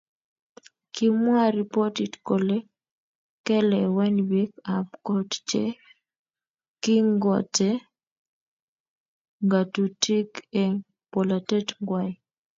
Kimwa ripotit kole kelewen bik ab kot che kingote ngatutik eng polatet ngwai